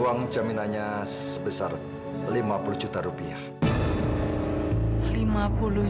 uang jaminannya sebesar lima puluh juta rupiah